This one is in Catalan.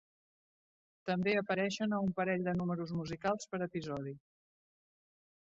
També apareixen a un parell de números musicals per episodi.